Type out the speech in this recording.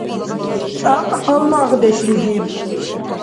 Цӏакь — гьалмагъдешлизиб